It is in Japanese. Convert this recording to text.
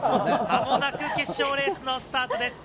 間もなく決勝レースのスタートです。